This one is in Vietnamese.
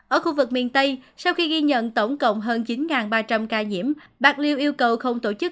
ở khu vực miền tây sau khi ghi nhận tổng cộng hơn chín ba trăm linh ca nhiễm bạc liêu yêu cầu không tổ chức